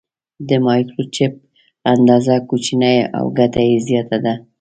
د مایکروچپ اندازه کوچنۍ او ګټه یې زیاته ده.